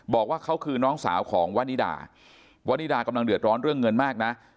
บอกว่าเขาคือน้องสาวของวานิดาวานิดากำลังเดือดร้อนเรื่องเงินมากนะ